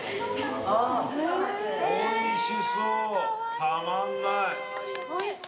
おいしそうたまんない。